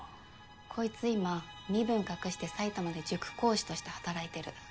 コイツ今身分隠して埼玉で塾講師として働いてる。